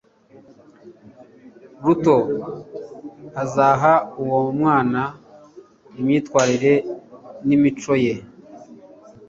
ruto azaha uwo mwana imyitwarire nimico ye